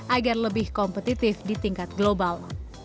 agar lebih kompetitif di tingkat global